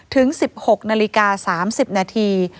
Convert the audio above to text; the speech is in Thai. ถึง๑๖นาฬิกา๓๐นาที